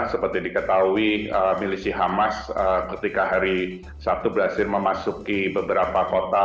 seperti diketahui milisi hamas ketika hari sabtu berhasil memasuki beberapa kota